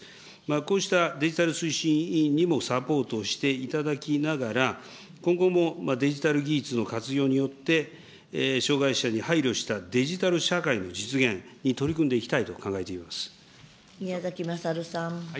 こうしたデジタル推進委員にもサポートしていただきながら、今後もデジタル技術の活用によって、障害者に配慮したデジタル社会の実現に取り組んでいきたいと考え宮崎勝さん。